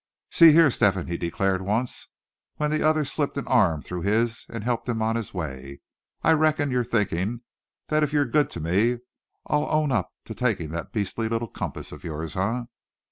"See here, Step hen," he declared once, when the other slipped an arm through his and helped him on his way; "I reckon you're thinking that if you're good to me I'll own up to taking that beastly little compass of yours, eh?